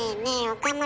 岡村。